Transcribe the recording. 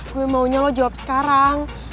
gue maunya lo jawab sekarang